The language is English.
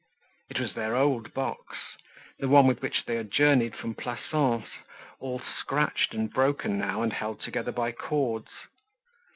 It was their old box, the one with which they had journeyed from Plassans, all scratched and broken now and held together by cords.